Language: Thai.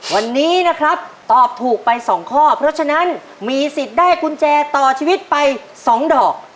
วันนี้นะครับตอบถูกไป๒ข้อเพราะฉะนั้นมีสิทธิ์ได้กุญแจต่อชีวิตไป๒ดอก